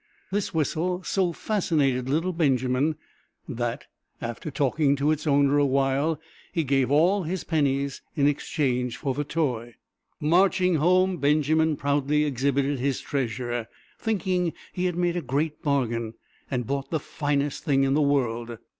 This whistle so fascinated little Benjamin that, after talking to its owner awhile, he gave all his pennies in exchange for the toy. Marching home, Benjamin proudly exhibited his treasure, thinking he had made a great bargain and bought the finest thing in the world.